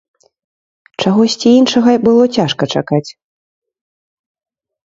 Чагосьці іншага было цяжка чакаць.